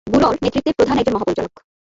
ব্যুরোর নেতৃত্বে প্রধান একজন মহাপরিচালক।